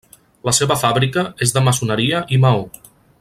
La seva fàbrica és de maçoneria i maó.